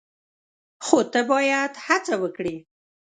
خو ته باید هڅه وکړې !